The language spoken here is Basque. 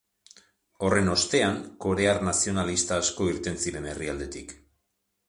Horren ostean, korear nazionalista asko irten ziren herrialdetik.